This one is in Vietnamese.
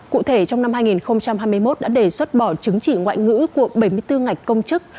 cụ thể trong năm hai nghìn hai mươi một đã đề xuất bỏ chứng chỉ ngoại ngữ của bảy mươi bốn ngạch công chức